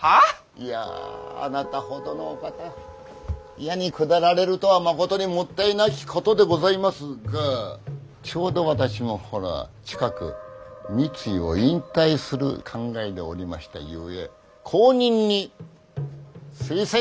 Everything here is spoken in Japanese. いやあなたほどのお方野に下られるとはまことにもったいなきことでございますがちょうど私もほら近く三井を引退する考えでおりましたゆえ後任に推薦いたしました。